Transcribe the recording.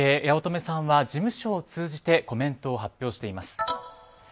八乙女さんは事務所を通じてコメントを発表しています。